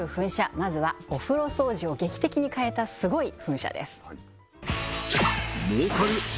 まずはお風呂掃除を劇的に変えたスゴい噴射です